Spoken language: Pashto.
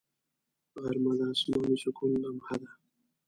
غرمه د آسماني سکون لمحه ده